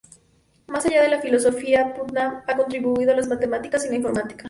Más allá de la filosofía, Putnam ha contribuido a las matemáticas y la informática.